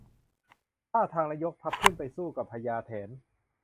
ทำทางและยกทัพขึ้นไปสู้กับพญาแถน